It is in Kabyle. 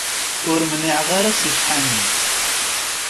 Ur mniɛeɣ ara si ccḥani.